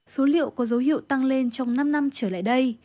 số liệu có dấu hiệu tăng lên trong năm năm trở lại đây